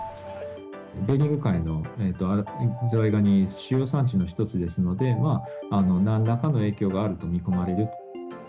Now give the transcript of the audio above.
ベーリング海のズワイガニ、主要産地の一つですので、なんらかの影響があると見込まれる。